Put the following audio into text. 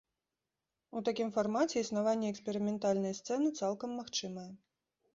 У такім фармаце існаванне эксперыментальнай сцэны цалкам магчымае!